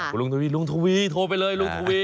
คุณลุงทวีลุงทวีโทรไปเลย